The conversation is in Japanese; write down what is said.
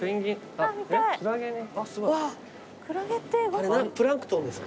あれプランクトンですか？